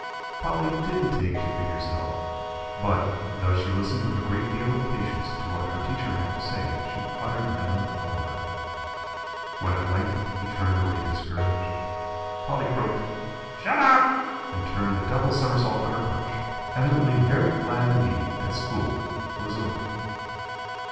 Polly didn't take to figures at all; but, though she listened with a great deal of patience to what her teacher had to say she uttered never a word. When at length he turned away discouraged, Polly croaked, "Shut up," and turned a double somersault on her perch, evidently very glad indeed that school was over.